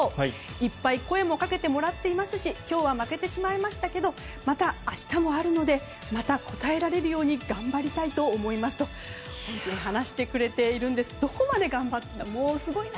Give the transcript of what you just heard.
いっぱい声もかけてもらっていますし今日は負けてしまいましたけどまた明日もあるのでまた応えられるように頑張りたいと思いますと話してくれているんです。